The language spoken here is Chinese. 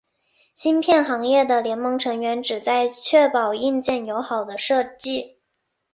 芯片行业的联盟成员旨在确保硬件友好的设计。